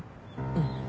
うん。